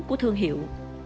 của thương hiệu